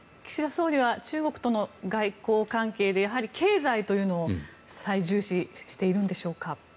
岸田総理は中国との外交関係でやはり経済というのを最重視しているんでしょうか。